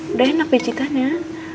udah enak pijitannya